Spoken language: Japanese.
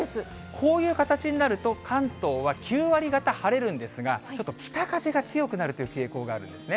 こういう形になると、関東は９割がた晴れるんですが、北風が強くなるという傾向があるんですね。